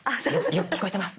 よく聞こえてます。